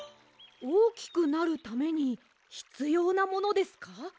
おおきくなるためにひつようなものですか？